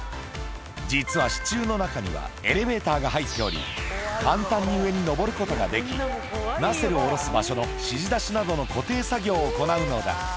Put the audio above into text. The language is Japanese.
実は支柱の中には、エレベーターが入っており、簡単に上に上ることができ、ナセルを下ろす場所の指示出しなどの固定作業を行うのだ。